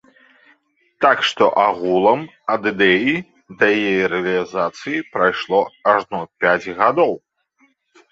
Так што агулам ад ідэі да яе рэалізацыі прайшло ажно пяць гадоў.